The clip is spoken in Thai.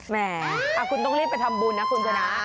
แหมคุณต้องรีบไปทำบุญนะคุณชนะ